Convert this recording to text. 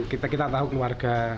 nah ini kan kita tahu keluarga